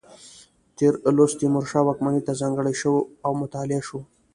تېر لوست تیمورشاه واکمنۍ ته ځانګړی شوی و او مطالعه شو.